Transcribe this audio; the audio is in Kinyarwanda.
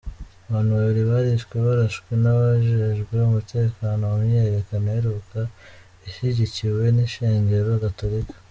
Abantu babiri barishwe barashwe n'abajejwe umutekano mu myiyerekano iheruka ishigikiwe n'ishengero Gatolika.